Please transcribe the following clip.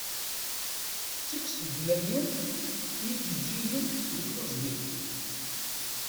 Tettekkes-d Maryem ijeǧǧigen deg teẓgi.